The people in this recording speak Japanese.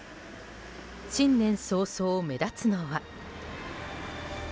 新年早々、目立つのは。